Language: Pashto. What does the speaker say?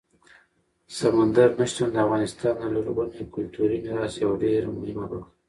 سمندر نه شتون د افغانستان د لرغوني کلتوري میراث یوه ډېره مهمه برخه ده.